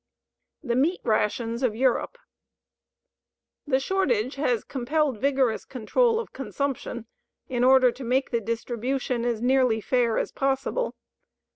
THE MEAT RATIONS OF EUROPE The shortage has compelled vigorous control of consumption in order to make the distribution as nearly fair as possible.